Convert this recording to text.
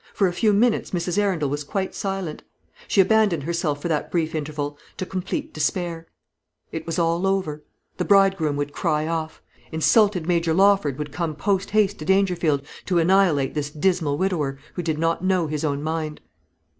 For a few minutes Mrs. Arundel was quite silent. She abandoned herself for that brief interval to complete despair. It was all over. The bridegroom would cry off; insulted Major Lawford would come post haste to Dangerfield, to annihilate this dismal widower, who did not know his own mind.